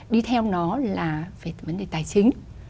đi theo nó là về vấn đề tài chính